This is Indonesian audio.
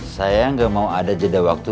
saya nggak mau ada jeda waktu